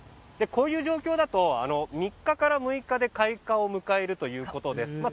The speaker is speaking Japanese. こういう状況だと３日から６日で開花を迎えるということです。